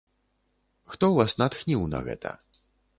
Хто вас натхніў на гэта?